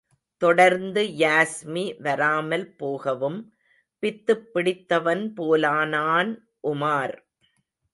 தொடர்ந்து யாஸ்மி வராமல் போகவும் பித்துப் பிடித்தவன் போலானான் உமார்.